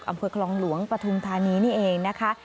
อำเภอคลองหลวงปฐุมธานีนี่เองนะคะ